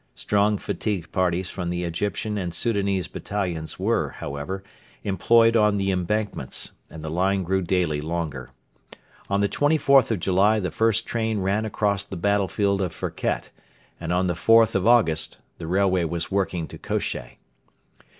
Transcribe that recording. Strong fatigue parties from the Egyptian and Soudanese battalions were, however, employed on the embankments, and the line grew daily longer. On the 24th of July the first train ran across the battlefield of Firket; and on the 4th of August the railway was working to Kosheh.